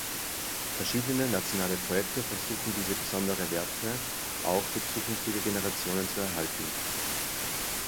Verschiedene nationale Projekte versuchen diese besondere Werte auch für zukünftige Generationen zu erhalten.